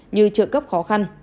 như trợ cấp khó khăn